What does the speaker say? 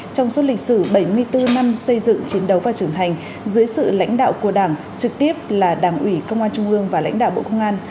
trong suốt lịch sử bảy mươi bốn năm xây dựng chiến đấu và trưởng thành dưới sự lãnh đạo của đảng trực tiếp là đảng ủy công an trung ương và lãnh đạo bộ công an